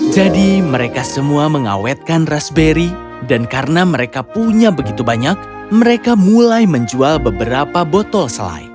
jadi mereka semua mengawetkan raspberry dan karena mereka punya begitu banyak mereka mulai menjual beberapa botol selai